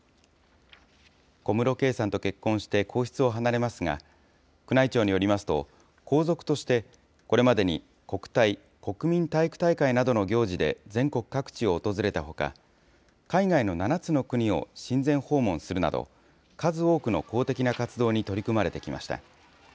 小室圭さんと結婚して皇室を離れますが、宮内庁によりますと、皇族として、これまでに国体・国民体育大会などの行事で全国各地を訪れたほか、海外の７つの国を親善訪問するなど、数多くの公的な活動に取り組まれてきました。